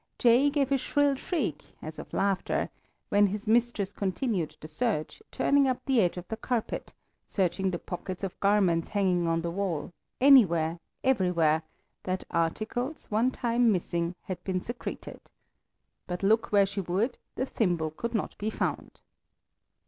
Jay gave a shrill shriek, as of laughter, when his mistress continued the search, turning up the edge of the carpet, searching the pockets of garments hanging on the wall, anywhere, everywhere, that articles, one time missing, had been secreted. But look where she would the thimble could not be found.